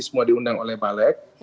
semua diundang oleh balek